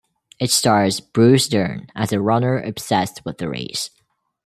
It stars Bruce Dern as a runner obsessed with the race.